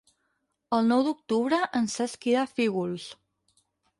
El nou d'octubre en Cesc irà a Fígols.